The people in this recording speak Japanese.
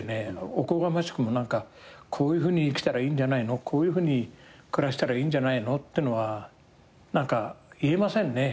おこがましくもこういうふうに生きたらいいんじゃないのこういうふうに暮らしたらいいんじゃないのってのは何か言えませんね。